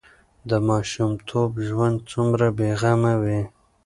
د ماشومتوب ژوند څومره بې غمه وي.